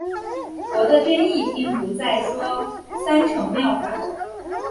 佛的真意并不再说三乘妙法。